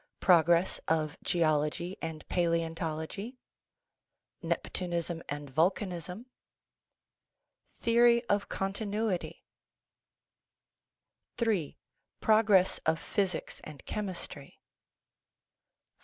Prog ress of Geology and Palaeontology Neptunism and Vulcan ism Theory of Continuity III. Progress of Physics and Chemistry IV.